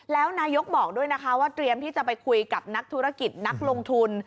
แล้วนายกบอกด้วยนะคะว่าเตรียมที่จะไปคุยกับนักธุรกิจนักลงทุน